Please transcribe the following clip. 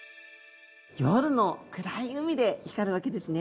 夜の暗い海で光るわけですね。